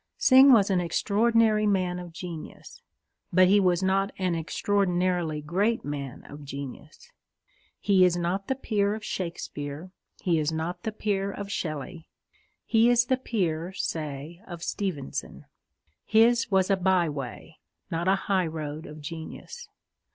Synge was an extraordinary man of genius, but he was not an extraordinarily great man of genius. He is not the peer of Shakespeare: he is not the peer of Shelley: he is the peer, say, of Stevenson. His was a byway, not a high road, of genius.